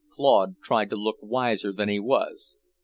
Claude tried to look wiser than he was.